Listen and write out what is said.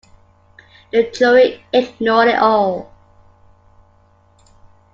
The jury ignored it all.